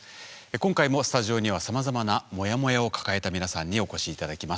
今回もスタジオにはさまざまなモヤモヤを抱えた皆さんにお越し頂きました。